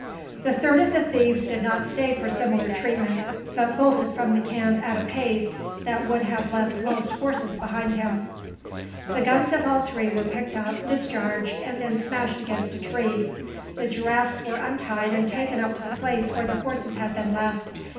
The third of the thieves did not stay for similar treatment, but bolted from the camp at a pace that would have left most horses behind him. The guns of all three were picked up, discharged, and then smashed against a tree. The giraffes were untied and taken up to the place where the horses had been left.